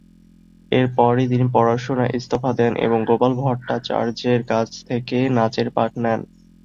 এর পরই তিনি পড়াশুনায় ইস্তফা দেন এবং গোপাল ভট্টাচার্যের কাছ থেকে নাচের পাঠ নেন।